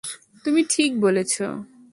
তুমি ঠিক বলেছো।